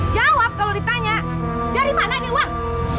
jawab kalau ditanya dari mana nih uang